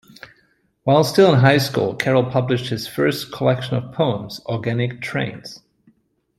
While still in high school, Carroll published his first collection of poems, Organic Trains.